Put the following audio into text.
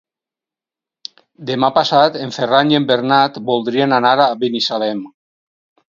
Demà passat en Ferran i en Bernat voldrien anar a Binissalem.